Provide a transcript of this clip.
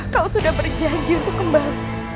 kau sudah berjanji untuk kembali